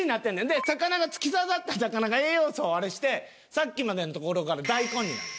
で魚が突き刺さった魚が栄養素をあれしてさっきまでのところから大根になる。